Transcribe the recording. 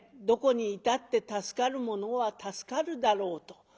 どこにいたって助かるものは助かるだろうと。